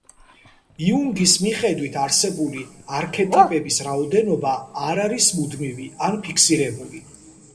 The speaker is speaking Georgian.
იუნგის მიხედვით, არსებული არქეტიპების რაოდენობა არ არის მუდმივი ან ფიქსირებული.